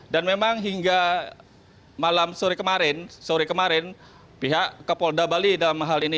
dan memang hingga malam sore kemarin pihak kepolda bali dalam hal ini